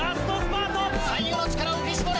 最後の力を振り絞れ！